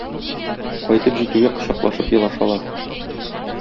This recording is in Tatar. Кайтып җитүгә кочаклашып елашалар.